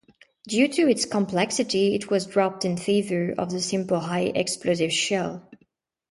Due to its complexity it was dropped in favour of the simple high-explosive shell.